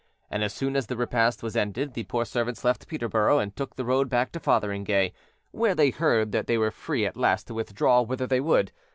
And as soon as the repast was ended, the poor servants left Peterborough and took the road back to Fotheringay, where they heard that they were free at last to withdraw whither they would.